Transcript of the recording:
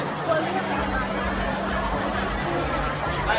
การรับความรักมันเป็นอย่างไร